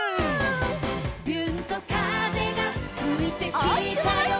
「びゅーんと風がふいてきたよ」